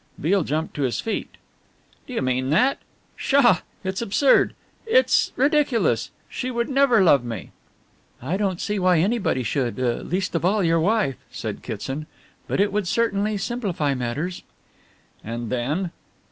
Beale jumped to his feet. "Do you mean that? Pshaw! It's absurd! It's ridiculous! She would never love me." "I don't see why anybody should, least of all your wife," said Kitson, "but it would certainly simplify matters." "And then?"